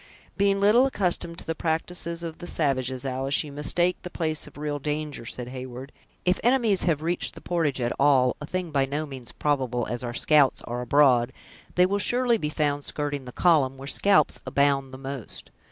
"Being little accustomed to the practices of the savages, Alice, you mistake the place of real danger," said Heyward. "If enemies have reached the portage at all, a thing by no means probable, as our scouts are abroad, they will surely be found skirting the column, where scalps abound the most.